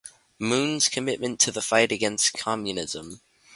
Moon's commitment to the fight against Communism.